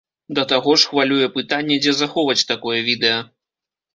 Да таго ж, хвалюе пытанне, дзе захоўваць такое відэа!